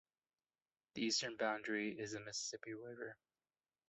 The eastern boundary is the Mississippi River.